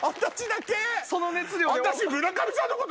その熱量を。